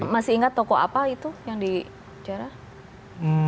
masih ingat toko apa itu yang dijarah